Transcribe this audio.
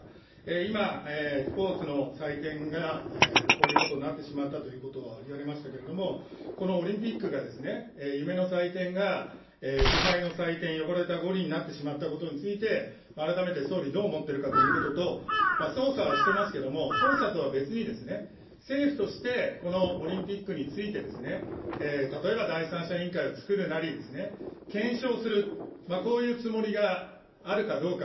今、スポーツの祭典がこういうことになってしまったということは、言われましたけれども、このオリンピックが、夢の祭典が、腐敗の祭典、汚れた五輪になってしまったことについて、改めて総理、どう思っているかということと、捜査はしてますけれども、捜査とは別にですね、政府として、このオリンピックについて、例えば第三者委員会を作るなり、検証する、こういうつもりがあるかどうか。